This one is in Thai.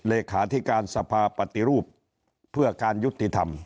เลขาธิการสภาปฏิรูปเพื่อการยุติธรรม